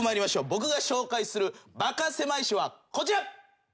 僕が紹介するバカせまい史はこちら！